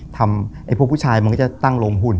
ทำพวกผู้ชายจะตั้งโรงหุ่น